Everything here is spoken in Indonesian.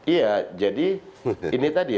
iya jadi ini tadi